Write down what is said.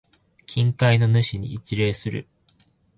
近海の主に一礼する。